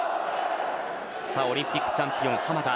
オリンピックチャンピオン濱田